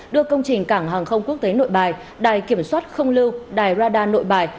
đưa công trình cảng hàng không quốc tế nội bài đài kiểm soát không lưu đài rada nội bài